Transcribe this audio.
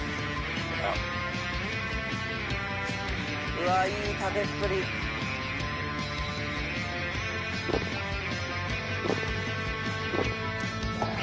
「うわーいい食べっぷり」ああー。